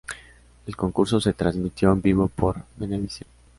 El concurso se transmitió en vivo por Venevisión.